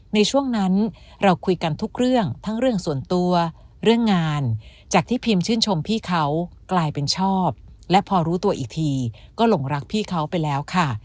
ในช่วงนั้นเราคุยกันทุกเรื่องทั้งเรื่องส่วนตัวเรื่องงานจากที่พิมชื่นชมพี่เขากลายเป็นชอบและพอรู้ตัวอีกทีก็หลงรักพี่เขาไปแล้วค่ะ